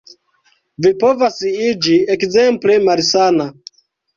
Vi povas iĝi ekzemple malsana.